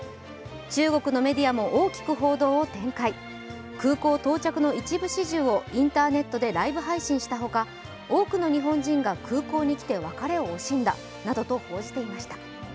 中国のメディアも大きく報道を展開、空港到着の一部始終をインターネットでライブ配信したほか、多くの日本人が空港に来て、別れを惜しんだなどと報じていました。